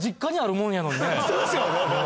そうですよ！